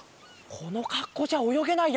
このかっこうじゃおよげないや。